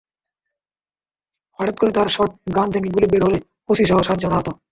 হঠাৎ করে তাঁর শটগান থেকে গুলি বের হলে ওসিসহ সাতজন আহত হন।